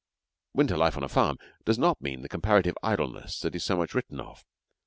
Winter life on a farm does not mean the comparative idleness that is so much written of.